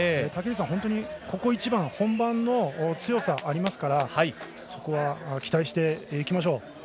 竹内さん、ここ一番本番の強さがありますからそこは期待していきましょう。